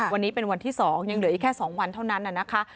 วันนี้เป็นวันที่๒ยังเหลืออีกแค่๒วันเท่านั้นนะคะ